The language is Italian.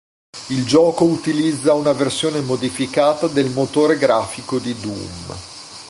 Il gioco utilizza una versione modificata del motore grafico di "Doom".